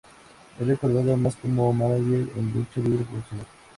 Es recordado más como mánager en lucha libre profesional.